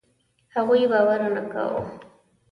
هغوی باور نه کاوه.